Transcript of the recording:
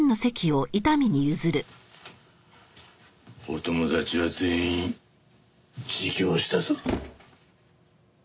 お友達は全員自供したぞ。